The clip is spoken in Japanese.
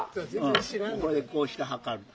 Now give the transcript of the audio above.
ここでこうして測るの。